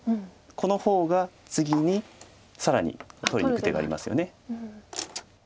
この方が次に更に取りにいく手がありますよね。